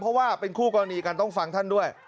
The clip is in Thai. เพราะว่าเป็นคู่กรณีกันต้องฟังท่านด้วย